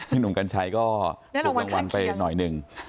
หนุ่มกันใช้ก็ถูกรางวัลไปหน่อยนึง